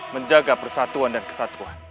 menjaga persatuan dan kesatuan